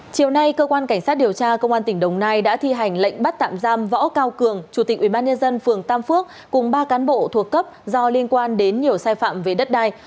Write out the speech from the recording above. chiều nay cơ quan cảnh sát điều tra công an tỉnh đồng nai đã thi hành lệnh bắt tạm giam võ cao cường chủ tịch ubnd phường tam phước cùng ba cán bộ thuộc cấp do liên quan đến nhiều sai phạm về đất đai